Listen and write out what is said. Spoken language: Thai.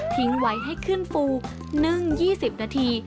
ไว้ให้ขึ้นฟูนึ่ง๒๐นาที